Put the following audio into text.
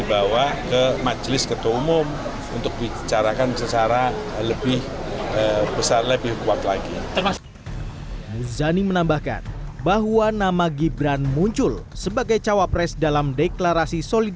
bahwa para ketua mumpar pol koalisi indonesia mekong